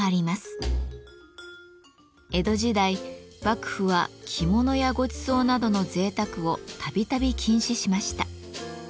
江戸時代幕府は着物やごちそうなどのぜいたくを度々禁止しました。